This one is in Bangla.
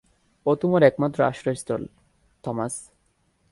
ও তোমার একমাত্র আশ্রয়স্থল, থমাস!